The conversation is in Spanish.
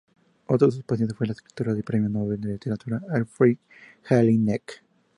Otro de sus pacientes fue la escritora y Premio Nobel de Literatura Elfriede Jelinek.